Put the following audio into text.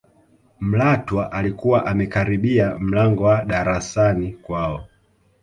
malatwa alikuwa amekaribia mlango wa darasani kwao